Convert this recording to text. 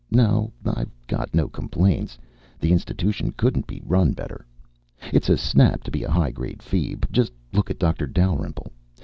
No, I've got no complaints. The institution couldn't be run better. It's a snap to be a high grade feeb. Just look at Doctor Dalrymple.